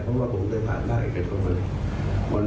เพราะว่าผมเคยผ่านภาคเอกชนมา